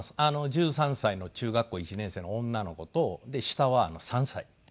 １３歳の中学校１年生の女の子と下は３歳の男の子で。